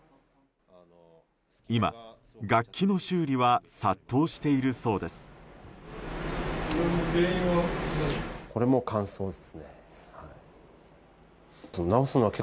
今、楽器の修理は殺到しているそうです。